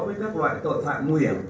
với các loại tội phạm nguy hiểm